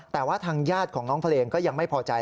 แต่ว่าทางญาติของน้องเพลงก็ยังไม่พอใจ